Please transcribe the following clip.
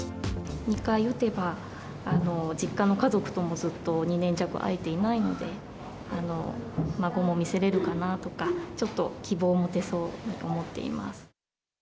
２回打てば、実家の家族ともずっと２年弱会えていないので、孫も見せれるかなとか、ちょっと希望持てそうだと思ってます。